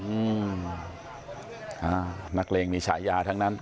อืมอ่านักเลงมีฉายาทั้งนั้น